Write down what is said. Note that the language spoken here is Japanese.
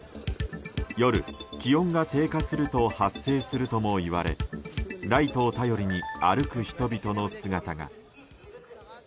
夜、気温が低下すると発生するともいわれライトを頼りに歩く人々の姿が。